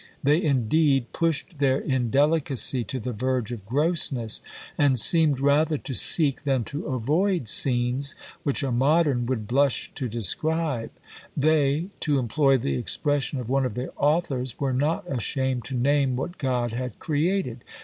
They, indeed, pushed their indelicacy to the verge of grossness, and seemed rather to seek than to avoid scenes, which a modern would blush to describe. They, to employ the expression of one of their authors, were not ashamed to name what God had created.